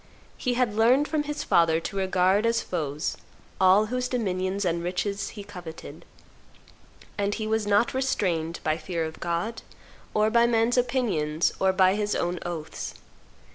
He had learned from his father to regard as foes all whose dominions and riches he coveted; and he was not restrained by fear of God, or by man's opinions, or by his own oaths.